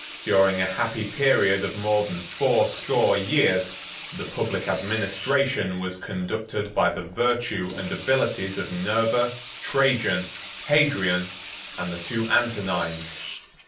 During a happy period of more than fourscore years, the public administration was conducted by the virtue and abilities of Nerva, Trajan, Hadrian, and the two Antonines.